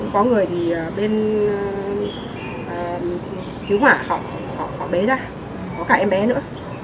có người thì thiếu hỏa họ bé ra có cả em bé nữa